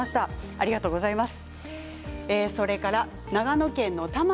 ありがとうございます。